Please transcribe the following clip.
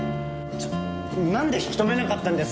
ちょっなんで引き止めなかったんですか！